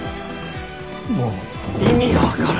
もう意味がわからない。